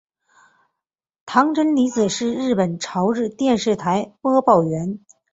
堂真理子是日本朝日电视台播报员。